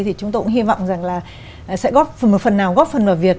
thì chúng tôi cũng hy vọng rằng là sẽ góp phần một phần nào góp phần vào việc